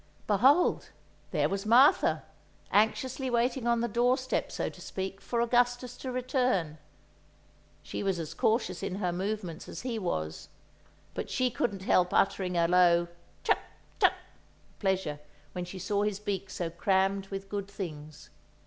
Behold, there was Martha, anxiously waiting on the doorstep, so to speak, for Augustus to return. She was as cautious in her movements as he was, but she couldn't help uttering a low "Chut! chut!" of pleasure when she saw his beak so crammed with good things.